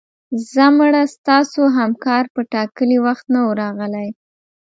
ځه مړه ستاسو همکار په ټاکلي وخت نه و راغلی